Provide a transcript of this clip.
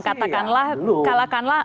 kalau sekarang sih ya belum